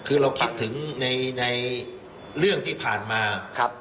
คือเราคิดถึงในเรื่องที่ผ่านมาครับ